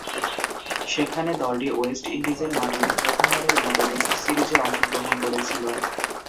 সেখানে দলটি ওয়েস্ট ইন্ডিজের মাটিতে প্রথমবারের মতো টেস্ট সিরিজে অংশগ্রহণ করেছিল।